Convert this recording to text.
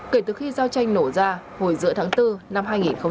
kể từ khi giao tranh nổ ra hồi giữa tháng bốn năm hai nghìn hai mươi